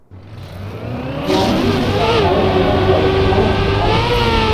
Клавий мӱндыркак каен огыл чай, кычал ончышаш.